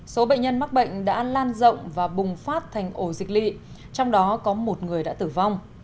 số bệnh nhân mắc bệnh đã lan rộng và bùng phát thành ổ dịch lị trong đó có một người đã tử vong